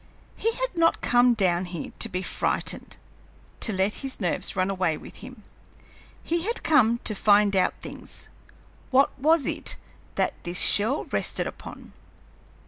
He had not come down here to be frightened, to let his nerves run away with him. He had come to find out things. What was it that this shell rested upon?